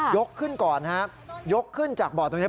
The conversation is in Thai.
ขึ้นก่อนนะครับยกขึ้นจากบ่อตรงนี้